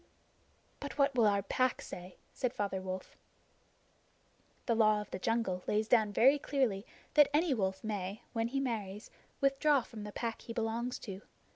"But what will our Pack say?" said Father Wolf. The Law of the Jungle lays down very clearly that any wolf may, when he marries, withdraw from the Pack he belongs to.